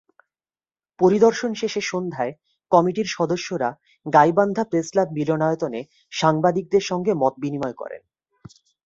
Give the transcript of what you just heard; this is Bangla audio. পরিদর্শন শেষে সন্ধ্যায় কমিটির সদস্যরা গাইবান্ধা প্রেসক্লাব মিলনায়তনে সাংবাদিকদের সঙ্গে মতবিনিময় করেন।